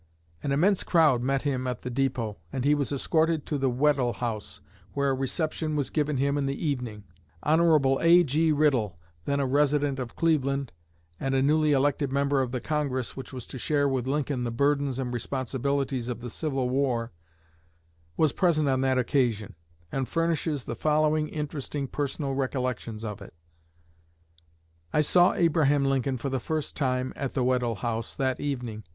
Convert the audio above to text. An immense crowd met him at the depot, and he was escorted to the Weddell House, where a reception was given him in the evening. Hon. A.G. Riddle, then a resident of Cleveland, and a newly elected member of the Congress which was to share with Lincoln the burdens and responsibilities of the Civil War, was present on that occasion, and furnishes the following interesting personal recollections of it: "I saw Abraham Lincoln for the first time, at the Weddell House that evening.